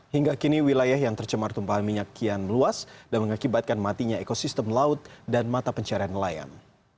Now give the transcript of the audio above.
hingga kini wilayah yang tercemar tumpahan minyak kian meluas dan mengakibatkan matinya ekosistem laut dan mata pencarian nelayan